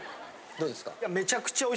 どうですか？